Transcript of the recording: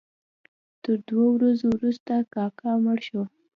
تر درو ورځو وروسته کاکا مړ شو.